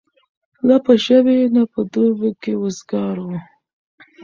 نه په ژمي نه په دوبي کي وزګار وو